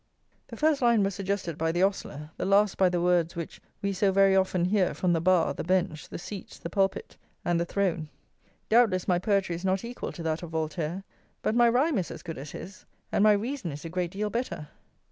The first line was suggested by the ostler; the last by the words which we so very often hear from the bar, the bench, the seats, the pulpit, and the throne. Doubtless my poetry is not equal to that of Voltaire; but my rhyme is as good as his, and my reason is a great deal better.